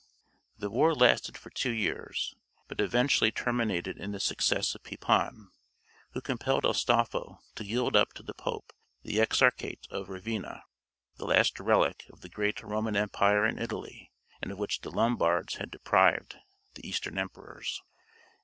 The war lasted for two years, but eventually terminated in the success of Pepin, who compelled Astolpho to yield up to the Pope the exarchate of Ravenna, the last relic of the great Roman empire in Italy, and of which the Lombards had deprived the Eastern emperors.